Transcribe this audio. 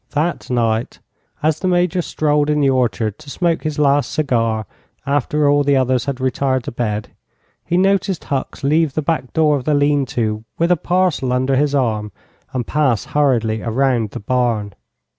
That night, as the Major strolled in the orchard to smoke his last cigar after all the others had retired to bed, he noticed Hucks leave the back door of the lean to with a parcel under his arm and pass hurriedly around the barn.